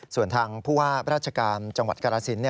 ส่วนทางผู้ว่าราชการจังหวัดกรสิน